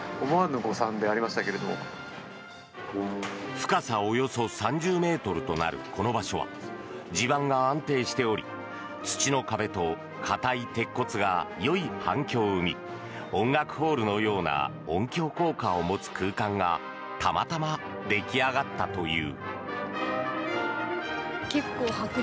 深さおよそ３０ｍとなるこの場所は地盤が安定しており土の壁と硬い鉄骨がよい反響を生み音楽ホールのような音響効果を持つ空間がたまたま出来上がったという。